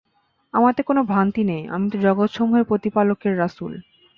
আমাতে কোন ভ্রান্তি নেই, আমি তো জগতসমূহের প্রতিপালকের রাসূল।